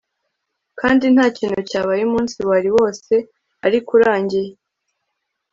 Kandi ntakintu cyabaye umunsi wari wose ariko urangiye